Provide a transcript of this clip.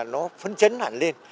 nó phấn chấn hẳn lên